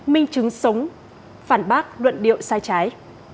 minh chứng sống phản bác luận điệu sai trái